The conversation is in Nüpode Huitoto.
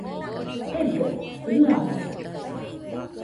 Ebe, rɨamaza